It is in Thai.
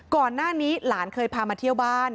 ก่อนหน้านี้หลานเคยพามาเที่ยวบ้าน